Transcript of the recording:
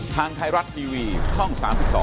ทางไทยรัฐทีวีช่อง๓๒